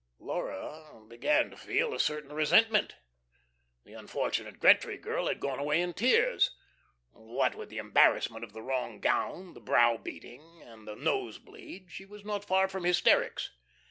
Laura began to feel a certain resentment. The unfortunate Gretry girl had gone away in tears. What with the embarrassment of the wrong gown, the brow beating, and the nose bleed, she was not far from hysterics.